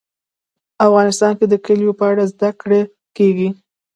افغانستان کې د کلیو په اړه زده کړه کېږي.